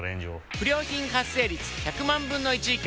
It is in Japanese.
不良品発生率１００万分の１以下。